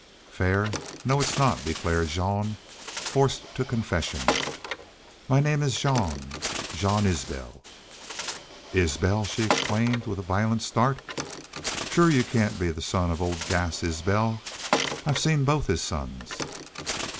"Fair! No, it's not," declared Jean, forced to confession. "My name's Jean Jean Isbel." "ISBEL!" she exclaimed, with a violent start. "Shore y'u can't be son of old Gass Isbel.... I've seen both his sons."